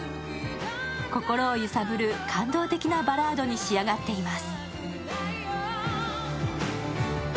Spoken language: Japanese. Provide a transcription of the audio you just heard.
心を揺さぶる感動的なバラードに仕上がっています。